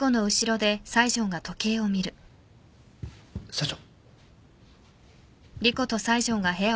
社長。